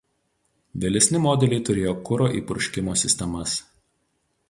Vėlesni modeliai turėjo kuro įpurškimo sistemas.